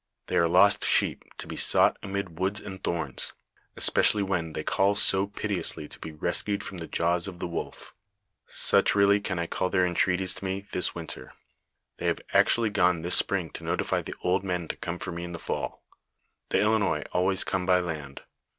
They are lost ehocp to be sought amid woods and thoras, especially when c • call so piteously to be rescued from the jaws of the .» jii. Such really can I call their entreaties to me this win ter. They have actually gone this spring to notify the old men to come for me in the fall. " The Ilinois always come by land.